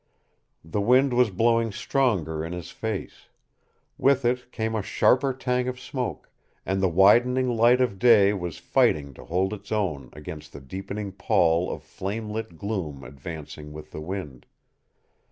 The wind was blowing stronger in his face. With it came a sharper tang of smoke, and the widening light of day was fighting to hold its own against the deepening pall of flame lit gloom advancing with the wind.